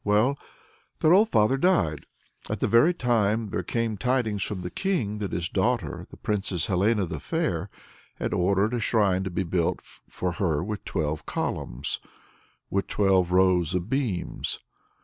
Well, their old father died. At that very time there came tidings from the King, that his daughter, the Princess Helena the Fair, had ordered a shrine to be built for her with twelve columns, with twelve rows of beams.